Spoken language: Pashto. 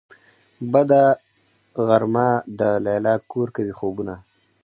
بده غرمه ده ليلا کور کوي خوبونه